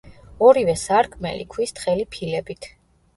ორივე სარკმელი, ქვის თხელი ფილებით.